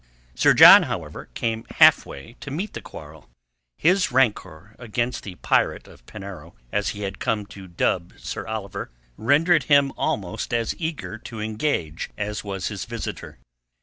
Sir John, however, came halfway to meet the quarrel. His rancour against the Pirate of Penarrow—as he had come to dub Sir Oliver—rendered him almost as eager to engage as was his visitor.